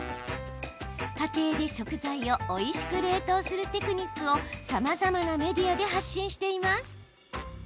家庭で食材をおいしく冷凍するテクニックをさまざまなメディアで発信しています。